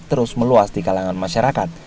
terus meluas di kalangan masyarakat